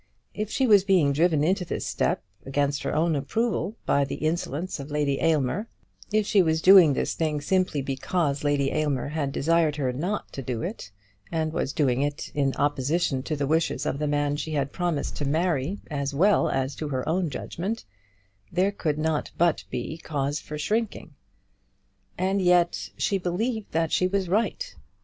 If she was being driven into this step against her own approval, by the insolence of Lady Aylmer, if she was doing this thing simply because Lady Aylmer had desired her not to do it, and was doing it in opposition to the wishes of the man she had promised to marry as well as to her own judgment, there could not but be cause for shrinking. And yet she believed that she was right.